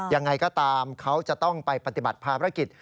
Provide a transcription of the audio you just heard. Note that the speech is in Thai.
ยังไงก็ตามเขาจะต้องไปปฏิบัติภารกิจ